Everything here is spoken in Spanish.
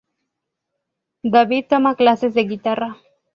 David toma clases de guitarra.